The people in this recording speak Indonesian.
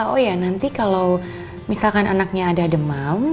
oh ya nanti kalau misalkan anaknya ada demam